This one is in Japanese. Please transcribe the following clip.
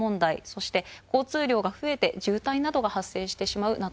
修靴交通量が増えて渋滞などが発生してしまう覆匹